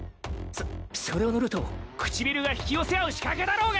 そそれを塗ると唇が引き寄せ合う仕掛けだろうが！